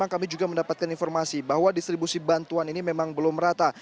kami juga mendapatkan informasi bahwa distribusi bantuan ini memang belum rata